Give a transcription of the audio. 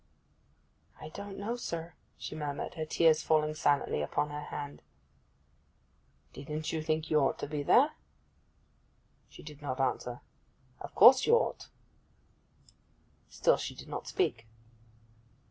'I don't know, sir,' she murmured, her tears falling silently upon her hand. 'Don't you think you ought to be there?' She did not answer. 'Of course you ought.' Still she did not speak.